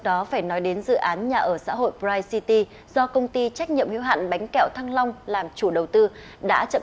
đa phần thì chỉ là cát thôi cậy ra là được